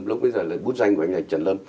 lúc bây giờ là bút danh của anh nhạc trần lâm